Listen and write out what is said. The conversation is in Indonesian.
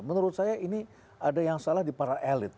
menurut saya ini ada yang salah di para elit